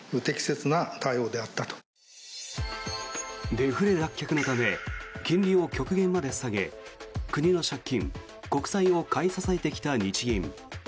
デフレ脱却のため金利を極限まで下げ国の借金、国債を買い支えてきた日銀。